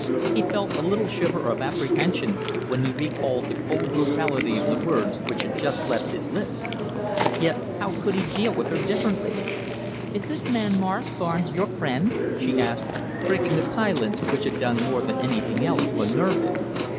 He felt a little shiver of apprehension when he recalled the cold brutality of the words which had just left his lips! Yet how could he deal with her differently? "Is this man Morris Barnes your friend?" she asked, breaking a silence which had done more than anything else to unnerve him.